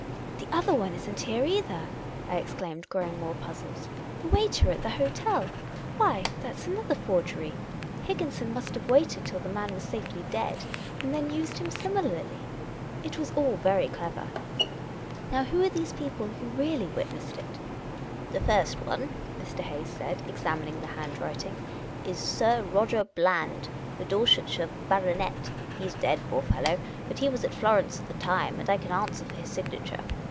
" The other one is n't here, either," I exclaimed, growing more puzzled. " The waiter at the hotel ! Why, that 's another forgery ! Higginson must have waited till the man was safely dead, and then used him similarly. It was all very clever. Now, who are these people who really wit nessed it ?"" The first one," Mr. Ha5'es said, examining the hand writing, " is Sir Roger Bland, the Dorsetshire baronet : he 's dead, poor fellow ; but he was at Florence at the time, and I can answer for his signature.